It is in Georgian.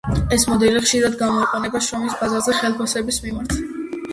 ეს მოდელი ხშირად გამოიყენება შრომის ბაზარზე ხელფასების მიმართ.